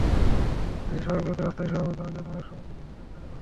আমাদের দেশের শহরগুলোতে রাস্তায় শোভা বর্ধনের জন্য অনেক সময় বিদেশি গাছ লাগানো হয়।